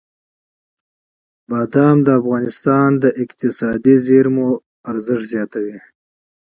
بادام د افغانستان د اقتصادي منابعو ارزښت زیاتوي.